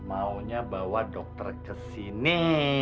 maunya bawa dokter ke sini